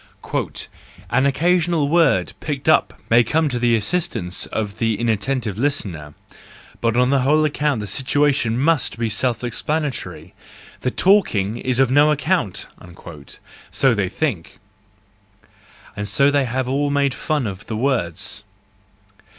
" An occasional word picked up may come to the assistance of the inattentive listener; but on the whole the situation must be self explanatory,— the talking is of no account! "—so they all think, and so they have all made fun of the words.